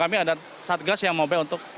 kami ada satgas yang mau baik untuk